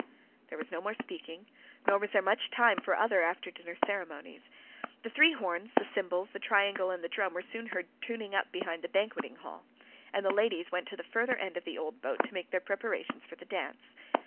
There was no more speaking, nor was there much time for other after dinner ceremonies. The three horns, the cymbals, the triangle, and the drum were soon heard tuning up behind the banqueting hall, and the ladies went to the further end of the old boat to make their preparations for the dance.